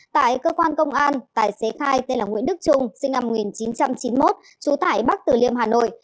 tại cơ quan công an tài xế khai tên là nguyễn đức trung sinh năm một nghìn chín trăm chín mươi một trú tại bắc tử liêm hà nội